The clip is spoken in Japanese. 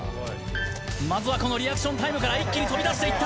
まずはこのリアクションタイムから一気に飛び出していった。